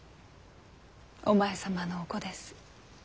お前様のお子です。